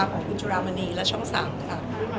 ของคุณจุรามณีและช่อง๓ค่ะ